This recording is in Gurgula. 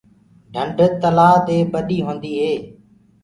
ڍنڊ تلآه دي ڀڏي هوندي هي۔